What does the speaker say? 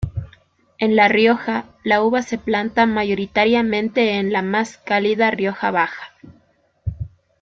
En La Rioja, la uva se planta mayoritariamente en la más cálida Rioja Baja.